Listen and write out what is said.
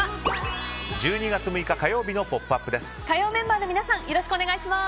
１２月６日、火曜日の「ポップＵＰ！」です。